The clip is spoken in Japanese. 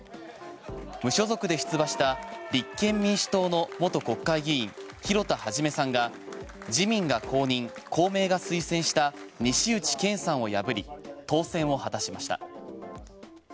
無所属で出馬した立憲民主党の元国会議員広田一さんが自民が公認、公明が推薦した西内健さんを破り当選を果たしました。